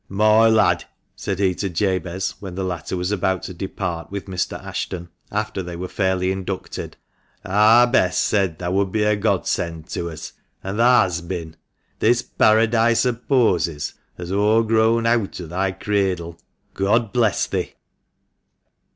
"Moi lad," said he to Jabez, when the latter was about to depart with Mr. Ashton, after they were fairly inducted, " ar Bess said thah would be a Godsend to us, an' thah has bin. This Paradise o' posies has o' grown eawt o' thy cradle. God bless thee!"